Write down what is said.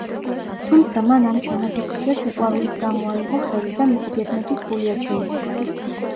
თუმცა მან ამ ჩანაფიქრზე სიყვარულის გამო აიღო ხელი და მისი გეგმები სრულიად შეიცვალა.